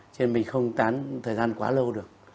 cho nên mình không tán thời gian quá lâu được